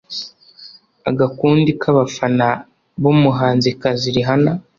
Agakundi k’abafana b’umuhanzikazi Rihanna